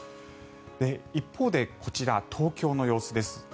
一方でこちら東京の様子です。